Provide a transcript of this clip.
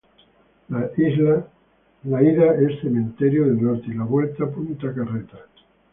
La ida es Cementerio del Norte y la vuelta Punta Carretas.